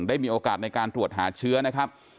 ได้มีโอกาสในการตรวจหาเชื้อนะครับ